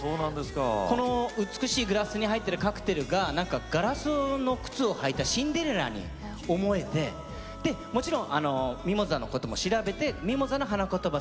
この美しいグラスに入ってるカクテルがガラスの靴を履いたシンデレラに思えてもちろんミモザのことも調べてミモザの花言葉